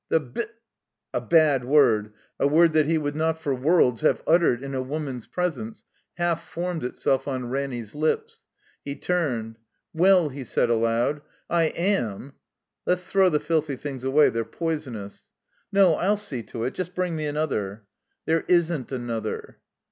"The bi —!" A bad word, a word that he would not for worlds have uttered in a woman's presence, half formed itself on Ranny's lips. He turned. "Well," he said, aloud, "I am — Let's throw the filthy things away. They're poisonous." "No, I'll see to it. Just bring me another." "There isn't another."